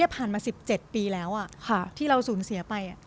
ผ่านมา๑๗ปีแล้วที่เราสูญเสียไป